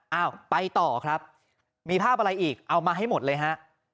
เอาไปต่อครับมีภาพอะไรอีกเอามาให้หมดเลยฮะ